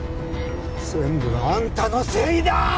全部あんたのせいだーっ！！